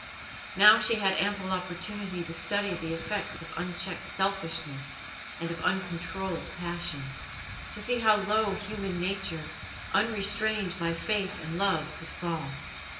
Now she had ample opportunity to study the effects of unchecked selfishness and of uncontrolled passions; to see how low human nature, unrestrained by faith and love, could fall.